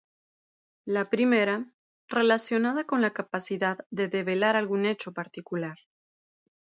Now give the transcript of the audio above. La primera, relacionada con la capacidad de develar algún hecho particular.